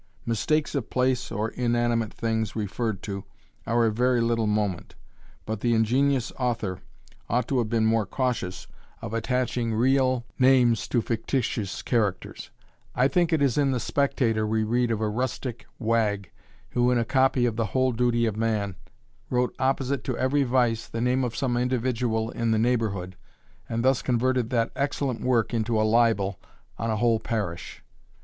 Mistakes of place or inanimate things referred to, are of very little moment; but the ingenious author ought to have been more cautious of attaching real names to fictitious characters. I think it is in the Spectator we read of a rustic wag, who, in a copy of "The Whole Duty of Man," wrote opposite to every vice the name of some individual in the neighbourhood, and thus converted that excellent work into a libel on a whole parish.